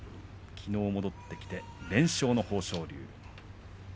きのう戻ってきて連勝の豊昇龍です。